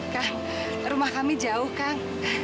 kang rumah kami jauh kang